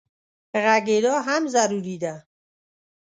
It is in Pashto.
غږېدا هم ضروري ده.